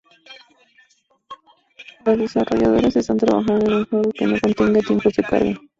Los desarrolladores están trabajando en un juego que no contenga tiempos de carga.